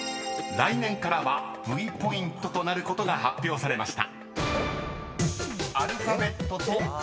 ［来年からＶポイントへ統合が発表されました］